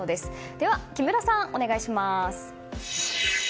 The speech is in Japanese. では木村さん、お願いします。